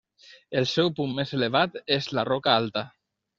El seu punt més elevat és la Roca Alta.